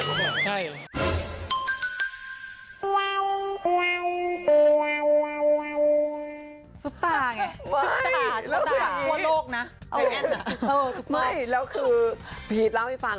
ซุปตาไงซุปตาทั่วโลกนะแอดนะไม่แล้วคือพีชเล่าให้ฟัง